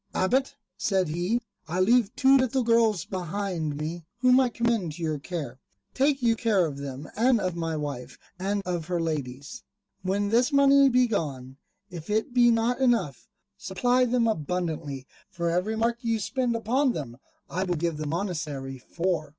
"Abbot," said he, "I leave two little girls behind me, whom I commend to your care. Take you care of them and of my wife and of her ladies: when this money be gone, if it be not enough, supply them abundantly; for every mark which you spend upon them I will give the monastery four."